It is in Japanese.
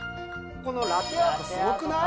このラテアートすごくない？